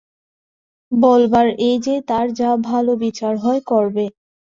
বলবার এই যে, তার যা ভাল বিচার হয়, করবে।